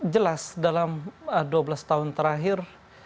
jelas dalam dua belas tahun terakhir